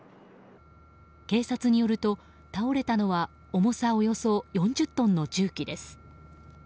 警察によると倒れたのは重さおよそ４０トンの重機です。